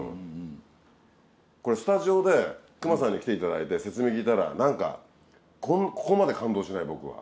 これスタジオで隈さんに来ていただいて説明聞いたら何かここまで感動しない僕は。